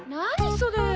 それ。